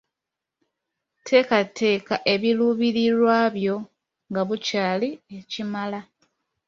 Teekateeka ebiruubirirwa byo nga bukyali ekimala.